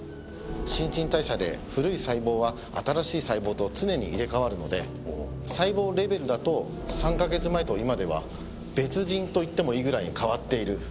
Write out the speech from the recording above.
新陳代謝で古い細胞は新しい細胞と常に入れ替わるので細胞レベルだと３カ月前と今では別人と言ってもいいぐらいに変わっている。